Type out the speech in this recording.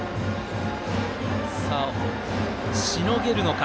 しのげるのか。